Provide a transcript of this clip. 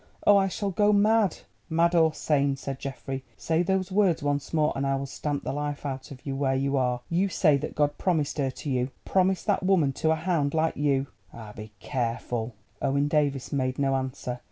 Oh, I shall go mad!" "Mad or sane," said Geoffrey, "say those words once more and I will stamp the life out of you where you are. You say that God promised her to you—promised that woman to a hound like you. Ah, be careful!" Owen Davies made no answer.